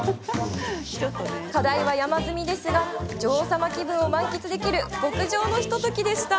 課題は山積みですが女王様気分を満喫できる極上のひとときでした。